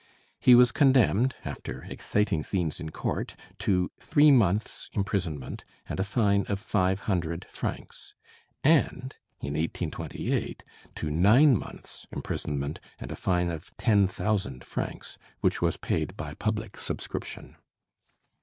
He was condemned, after exciting scenes in court, to three months' imprisonment and a fine of five hundred francs, and in 1828 to nine months' imprisonment and a fine of ten thousand francs, which was paid by public subscription.